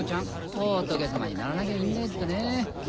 ホトケ様にならなきゃいいんだけっどねぇ。